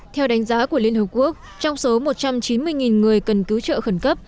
theo đánh giá của liên hợp quốc trong số một trăm chín mươi người cần cứu trợ khẩn cấp